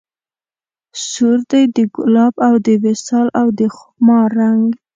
سور دی د ګلاب او د وصال او د خمار رنګ